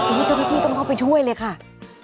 อื้อเจ้าพี่พี่ต้องเข้าไปช่วยเลยค่ะ